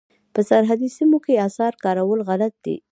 په سرحدي سیمو کې اسعار کارول غلط دي.